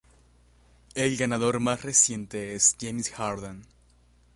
El ganador más reciente es James Harden.